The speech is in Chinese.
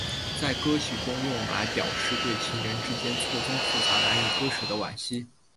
在歌曲中用来表示对情人之间错综复杂难以割舍的惋惜。